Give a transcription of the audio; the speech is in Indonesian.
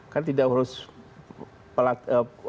kan tidak harus pelat